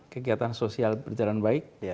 kegiatan sosial berjalan baik